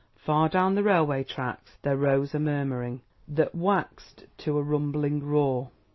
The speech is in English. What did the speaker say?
Far down the railway tracks there rose a murmuring, that waxed to a rumbling roar.